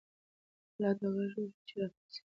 ملا ته غږ وشو چې راپاڅېږه.